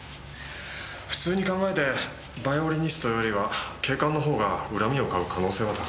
普通に考えてバイオリニストよりは警官のほうが恨みを買う可能性は高いですからね。